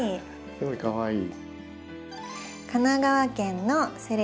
すごいかわいい。